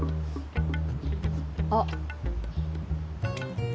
あっ。